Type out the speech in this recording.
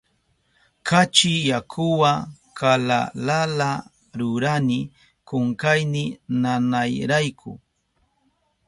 Kachi yakuwa kalalala rurani kunkayni nanayrayku.